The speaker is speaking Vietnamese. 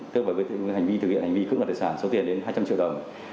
tức là với hành vi thực hiện hành vi cưỡng đoạt tài sản số tiền đến hai trăm linh triệu đồng